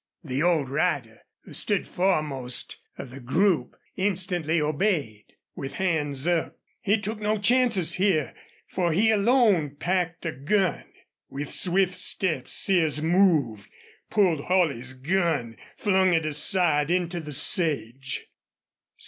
The old rider, who stood foremost of the group' instantly obeyed, with hands up. He took no chances here, for he alone packed a gun. With swift steps Sears moved, pulled Holley's gun, flung it aside into the sage.